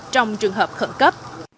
trong trường hợp khẩn cấp